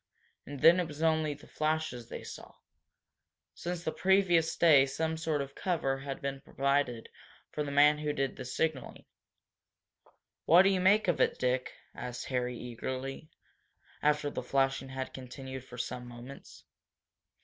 And then it was only the flashes that they saw. Since the previous day some sort of cover had been provided for the man who did the signalling. "What do you make of it, Dick?" asked Harry eagerly, after the flashing had continued for some moments.